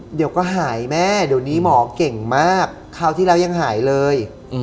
เดี๋ยวก็หายแม่เดี๋ยวนี้หมอเก่งมากคราวที่แล้วยังหายเลย